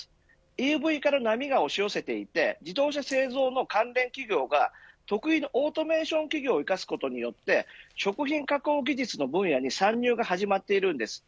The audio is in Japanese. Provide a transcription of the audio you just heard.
ＥＶ化の波が押し寄せていて自動車製造の関連企業が得意のオートメーションを生かすことによって食品加工技術の分野に参入が始まっているんです。